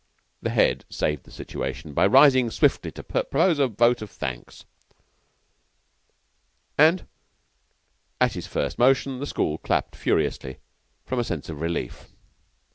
The Head saved the situation by rising swiftly to propose a vote of thanks, and at his first motion, the school clapped furiously, from a sense of relief.